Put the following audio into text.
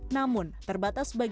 namun terbatas bagi empat ratus orang